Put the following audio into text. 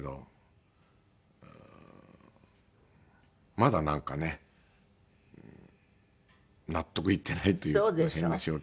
まだなんかね納得いってないというと変でしょうけど。